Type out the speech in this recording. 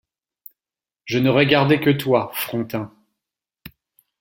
Je n’aurais gardé que toi, Frontin.